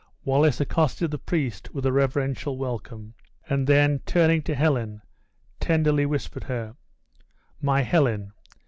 Wallace accosted the priest with a reverential welcome; and then turning to Helen, tenderly whispered her, "My Helen!